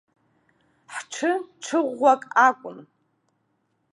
Ҳҽы ҽы ӷәӷәак акәын.